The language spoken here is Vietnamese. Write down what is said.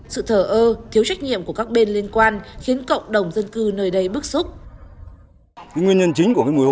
sự thở ơ thiếu trách nhiệm của các bên liên quan khiến cộng đồng dân cư nơi đây bức xúc